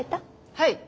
はい。